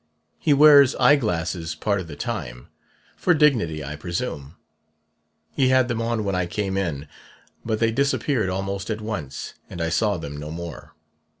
He wears eye glasses part of the time, for dignity, I presume. He had them on when I came in, but they disappeared almost at once, and I saw them no more.